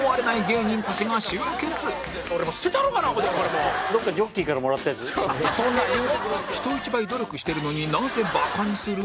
人一倍努力してるのになぜバカにする？